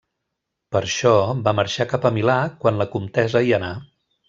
Per això, va marxar cap a Milà, quan la comtessa hi anà.